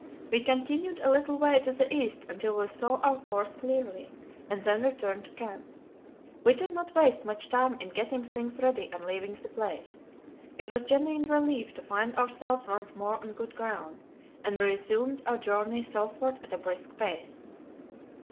We continued a little way to the east until we saw our course clearly, and then returned to camp. We did not waste much time in getting things ready and leaving the place. It was a genuine relief to find ourselves once more on good ground, and we resumed our journey southward at a brisk pace.